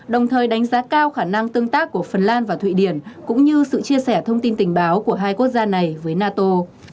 đồng thời đánh giá cao khả năng tương tác của phần lan và thụy điển cũng như sự chia sẻ thông tin tình báo của hai quốc gia này với nato